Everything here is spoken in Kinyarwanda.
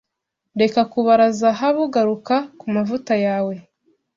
reka kubara zahabuGaruka ku mavuta yawe